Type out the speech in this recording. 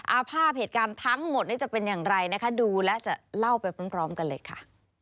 ภาพเหตุการณ์ทั้งหมดนี้จะเป็นอย่างไรนะคะดูและจะเล่าไปพร้อมกันเลยค่ะ